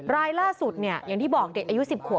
รายล่าสุดเนี่ยอย่างที่บอกเด็กอายุ๑๐ขวบ